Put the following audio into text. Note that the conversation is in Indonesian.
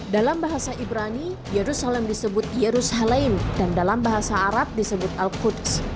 dalam bahasa ibrani yerusalem disebut yerus halaim dan dalam bahasa arab disebut al quds